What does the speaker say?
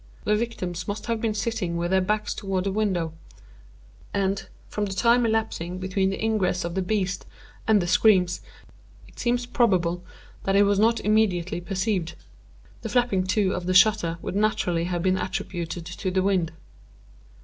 The victims must have been sitting with their backs toward the window; and, from the time elapsing between the ingress of the beast and the screams, it seems probable that it was not immediately perceived. The flapping to of the shutter would naturally have been attributed to the wind.